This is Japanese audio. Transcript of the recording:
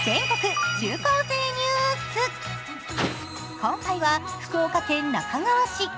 今回は福岡県那珂川市。